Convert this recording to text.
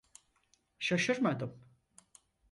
Şaşırmadım.